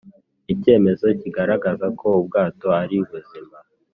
icyemezo kigaragaza ko ubwato ari buzima